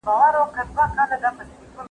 که تاسې په خونه کې تر ټولو هوښیار یاست.